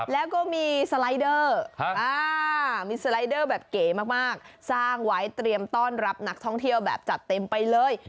แล้วก็มีสไลเดอร์มีสไลเดอร์แบบเก๋มากสร้างไว้เตรียมต้อนรับนักท่องเที่ยวแบบจัดเต็มไปเลย